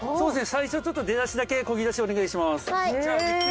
最初出だしだけ漕ぎ出しお願いします。